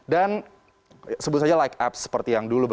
dan sebut saja like apps seperti yang dulu